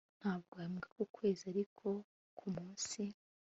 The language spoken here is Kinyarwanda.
ntabwo ahembwa ukwezi, ariko kumunsi